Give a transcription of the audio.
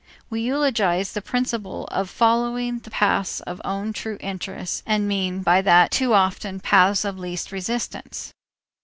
We eulogize the principle of following the paths of own true interest and mean by that too often paths of least resistance.